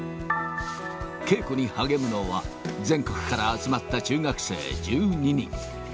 稽古に励むのは、全国から集まった中学生１２人。